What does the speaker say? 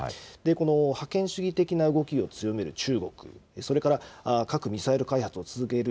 この覇権主義的な動きを強める中国、それから核・ミサイル開発を続ける